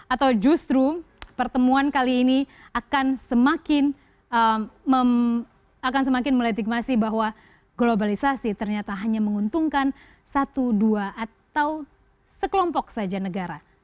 atau justru pertemuan kali ini akan semakin meletigmasi bahwa globalisasi ternyata hanya menguntungkan satu dua atau sekelompok saja negara